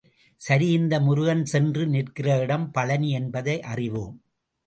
சரி இந்த முருகன் சென்று நிற்கிற இடம் பழநி என்பதை அறிவோம்.